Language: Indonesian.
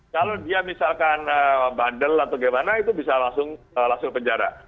kalau dia misalkan bandel atau bagaimana itu bisa langsung penjara